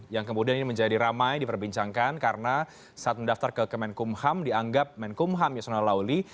yang kemudian ini menjadi ramai diperbincangkan karena saat mendaftar ke kemenkumham dianggap menkumham yasona lauli